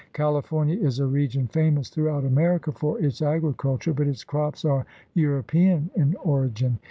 Cali fornia is a region famous throughout America for its agriculture, but its crops are European in origin.